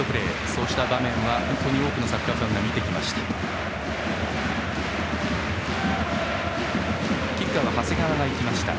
そうした場面を多くのサッカーファンが見てきました。